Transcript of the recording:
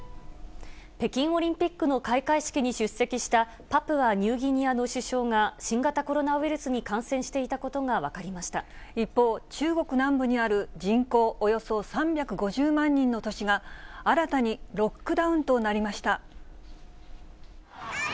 北京オリンピックの開会式に出席したパプアニューギニアの首相が新型コロナウイルスに感染し一方、中国南部にある人口およそ３５０万人の都市が、新たにロックダウンとなりました。